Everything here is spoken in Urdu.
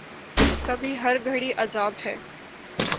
کبھی ہر گھڑی عذاب ہے